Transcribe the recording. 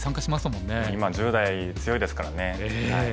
もう今１０代強いですからね。